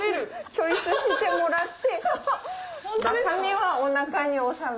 チョイスしてもらって。